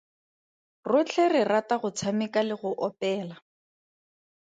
Rotlhe re rata go tshameka le go opela.